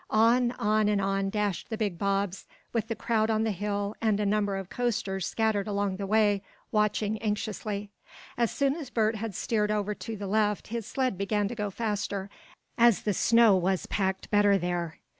On, on and on dashed the big bobs, with the crowd on the hill, and a number of coasters scattered along the way, watching anxiously. As soon as Bert had steered over to the left his sled began to go faster, as the snow was packed better there.